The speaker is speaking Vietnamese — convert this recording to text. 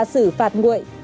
sự phạt nguội